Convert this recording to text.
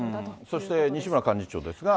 そして西村幹事長ですが。